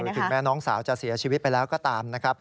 ถึงแม้น้องสาวจะเสียชีวิตไปแล้วก็ตามนะครับ